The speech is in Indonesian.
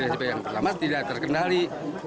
yang pertama tidak terkendali